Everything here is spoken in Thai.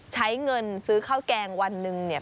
ใช้เงินซื้อข้าวแกงวันหนึ่งเนี่ย